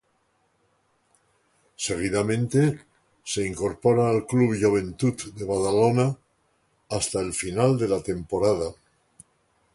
Seguidamente, se incorpora al Club Joventut de Badalona, hasta el final de la temporada.